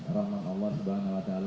rahman allah swt